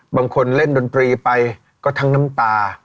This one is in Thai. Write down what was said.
บางคนเล่นดนตรีไปก็ทั้งน้ำตา